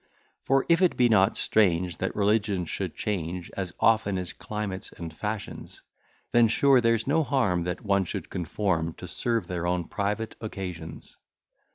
For if it be not strange, That religion should change, As often as climates and fashions; Then sure there's no harm, That one should conform. To serve their own private occasions.